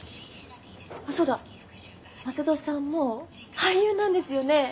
あっそうだ松戸さんも俳優なんですよね？